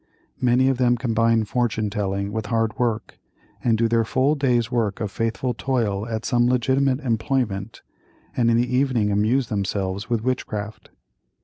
Many of them combine fortune telling with hard work, and do their full day's work of faithful toil at some legitimate employment, and in the evening amuse themselves with witchcraft.